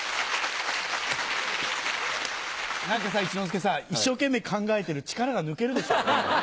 何かさ一之輔さ一生懸命考えてる力が抜けるでしょ？